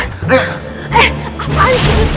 eh apaan sih ini